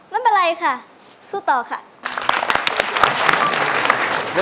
ไม่เป็นไรค่ะสู้ต่อค่ะ